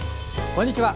こんにちは。